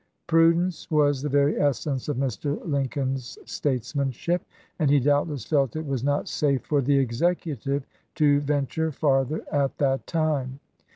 Prudence was the very essence of Mr. Lincoln's statesmanship, and he doubtless felt it was not safe for the Executive to venture farther at that time.